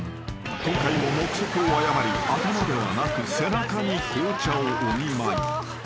今回も目測を誤り頭ではなく背中に紅茶をお見舞い］